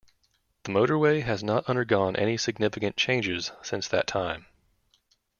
The motorway has not undergone any significant changes since that time.